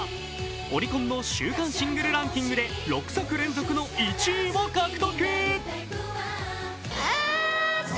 オリコンの週間シングルランキングで６作連続１位を獲得。